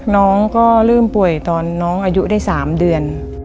น้องก็เริ่มป่วยตอนน้องอายุได้๓เดือน